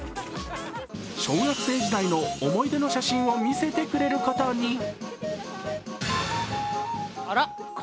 小学生時代の思い出の写真を見せてくれることに。